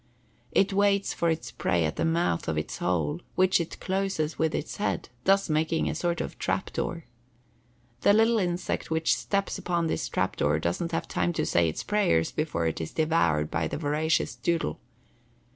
It waits for its prey at the mouth of its hole, which it closes with its head, thus making a sort of trap door. The little insect which steps upon this trap door doesn't have time to say its prayers before it is devoured by the voracious "doodle."